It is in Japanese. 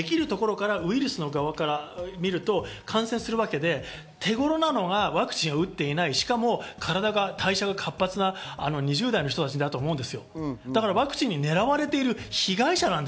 つまりそういう要因をこのシステム全体で見ると、感染できるところからウイルス側から見ると感染するわけで、手頃なのがワクチンを打っていない、しかも体の代謝が活発な２０代の人たちだと思うんです。